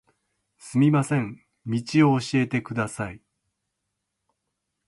すみません、道を教えてください。